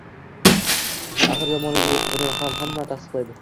Axir, yomonligi yo`q buni hamma tasdiqlaydi